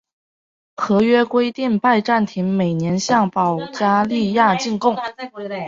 合约规定拜占庭每年向保加利亚进贡。